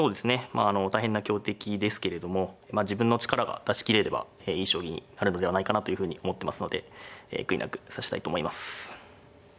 まああの大変な強敵ですけれども自分の力が出し切れればいい将棋になるのではないかなというふうに思ってますので悔いなく指したいと思います。